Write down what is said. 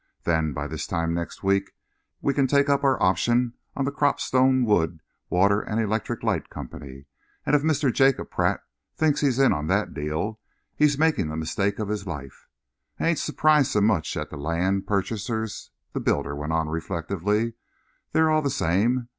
Then by this time next week we can take up our option on the Cropstone Wood, Water and Electric Light Company, and if Mr. Jacob Pratt thinks he's in on that deal, he's making the mistake of his life. I ain't surprised so much at the land purchasers," the builder went on reflectively. "They're all the same.